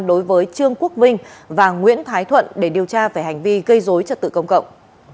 đối với trương quốc vinh và nguyễn thái thuận để điều tra về hành vi gây dối trật tự công cộng